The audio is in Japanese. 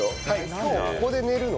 今日ここで寝るの？